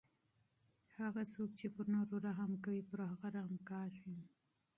هغه څوک چې پر نورو رحم کوي پر هغه رحم کیږي.